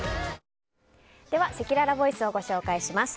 では、せきららボイスをご紹介します。